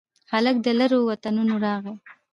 هلک د لیرو وطنونو راغلي